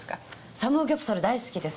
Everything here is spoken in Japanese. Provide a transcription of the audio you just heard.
サムギョプサル大好きです